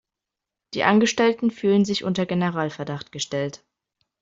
Die Angestellten fühlen sich unter Generalverdacht gestellt.